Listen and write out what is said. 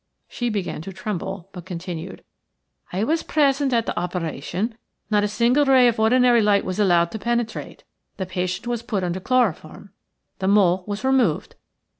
She began to tremble, but continued:– "I was present at the operation. Not a single ray of ordinary light was allowed to penetrate. The patient was put under chloroform. The mole was removed.